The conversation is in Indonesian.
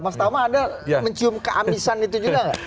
mas tama anda mencium keamisan itu juga nggak